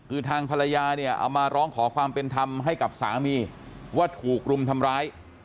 คือทางภรรยาเนี่ยเอามาร้องขอความเป็นธรรมให้กับสามีว่าถูกรุมทำร้าย